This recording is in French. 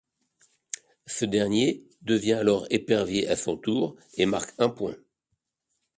Ce dernier devient alors épervier à son tour et marque un point.